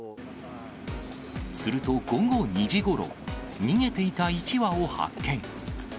すると午後２時ごろ、逃げていた１羽を発見。